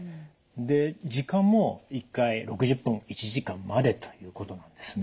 で時間も１回６０分１時間までということなんですね。